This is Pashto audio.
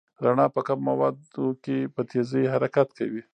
رڼا په کمو موادو کې په تېزۍ حرکت کوي.